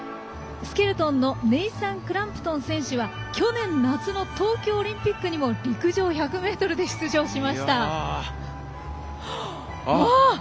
スケルトンのネイサン・クランプトン選手は去年夏の東京オリンピックにも陸上１００ｍで出場しました。